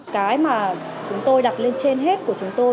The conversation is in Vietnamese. cái mà chúng tôi đặt lên trên hết của chúng tôi